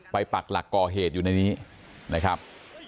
ปักหลักก่อเหตุอยู่ในนี้นะครับ